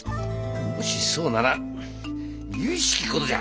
もしそうなら由々しきことじゃ。